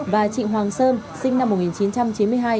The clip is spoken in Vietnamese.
và trịnh hoàng sơn sinh năm một nghìn chín trăm chín mươi hai